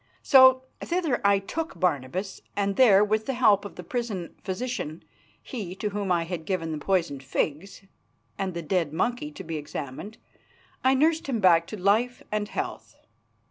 So thither I took Barnabas, and there, with the help of the prison physician he to whom I had given the poisoned figs and the dead monkey to be examined I nursed him back to life and health.